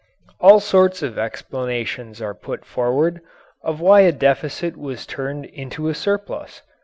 All sorts of explanations are put forward, of why a deficit was turned into a surplus.